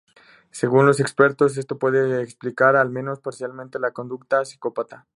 Según los expertos, esto puede explicar -al menos parcialmente- la conducta psicópata.